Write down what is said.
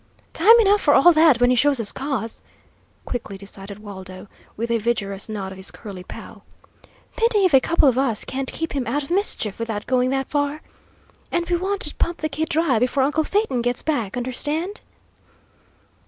"Time enough for all that when he shows us cause," quickly decided Waldo, with a vigorous nod of his curly pow. "Pity if a couple of us can't keep him out of mischief without going that far. And we want to pump the kid dry before uncle Phaeton gets back; understand?"